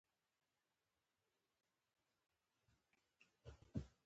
احمدشاه بابا د ملت د وحدت بنسټ کيښود.